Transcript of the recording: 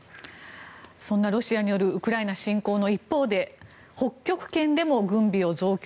そんなロシアによるウクライナ侵攻の一方で北極圏でも軍備を増強。